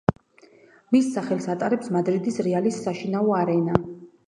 მის სახელს ატარებს „მადრიდის რეალის“ საშინაო არენა.